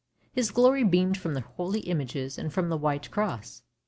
His glory beamed from the holy images and from the white cross.